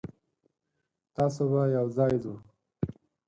تاسو به یوځای ځو.